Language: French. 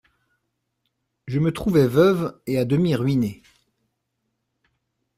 Je me trouvai veuve et à demi ruinée.